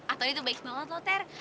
antoni tuh baik banget lo ter